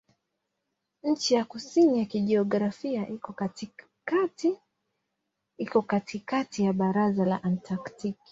Ncha ya kusini ya kijiografia iko katikati ya bara la Antaktiki.